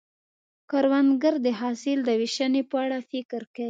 کروندګر د حاصل د ویشنې په اړه فکر کوي